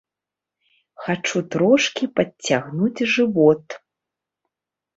Хачу трошкі падцягнуць жывот.